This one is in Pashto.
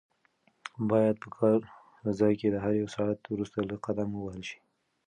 باید په کار ځای کې د هر یو ساعت وروسته لږ قدم ووهل شي.